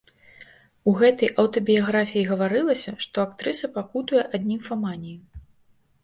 У гэтай аўтабіяграфіі гаварылася, што актрыса пакутуе ад німфаманіі.